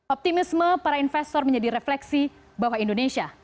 optimisme para investor menjadi refleksi bahwa indonesia